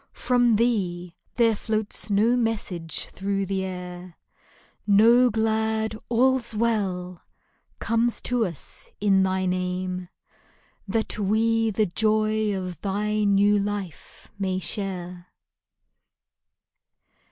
From thee there floats no message thro' the air ; No glad " All's well" comes to us in thy name That we the joy of thy new life may share